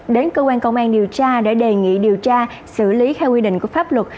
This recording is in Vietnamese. đến cơ quan công an điều tra để đề nghị điều tra xử lý theo quy định của pháp luật